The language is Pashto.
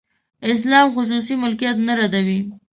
اسلام خصوصي ملکیت نه ردوي.